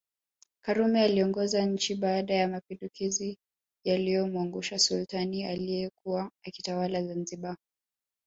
Karume aliongoza nchi baada ya mapinduzi yaliyomwangusha Sultani aliyekuwa akitawala Zanzibar